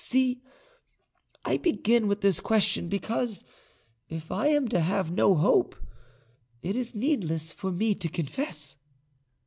See, I begin with this question, because, if I am to have no hope, it is needless for me to confess."